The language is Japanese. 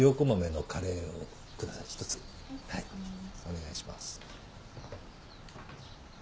お願いします。